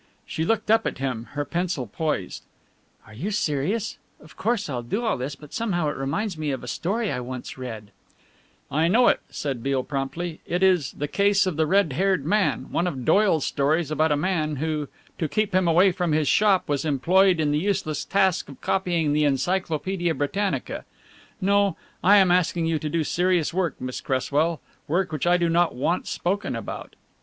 She looked up at him, her pencil poised. "Are you serious of course, I'll do all this, but somehow it reminds me of a story I once read " "I know it," said Beale promptly, "it is 'The Case of the Red Haired Man,' one of Doyle's stories about a man who, to keep him away from his shop, was employed on the useless task of copying the Encyclopædia Britannica no, I am asking you to do serious work, Miss Cresswell work which I do not want spoken about."